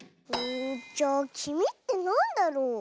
じゃあきみってなんだろう？